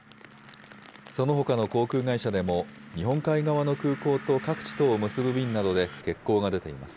そのほかの航空会社でも、日本海側の空港と各地とを結ぶ便などで欠航が出ています。